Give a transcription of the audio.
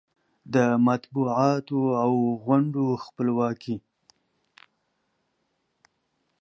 د مطبوعاتو او غونډو خپلواکي